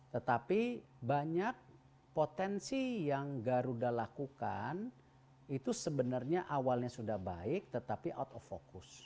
tetapi banyak potensi yang garuda lakukan itu sebenarnya awalnya sudah baik tetapi out of focus